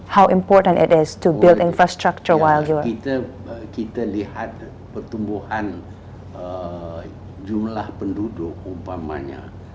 kita melihat pertumbuhan jumlah penduduk